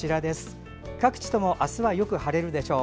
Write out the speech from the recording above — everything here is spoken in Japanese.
各地とも明日はよく晴れるでしょう。